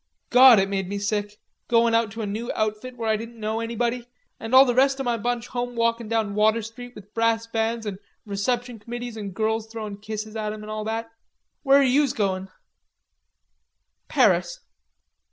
Gawd, it made me sick, goin' out to a new outfit where I didn't know anybody, an' all the rest of my bunch home walkin' down Water Street with brass bands an' reception committees an' girls throwing kisses at 'em an' all that. Where are yous goin'?" "Paris."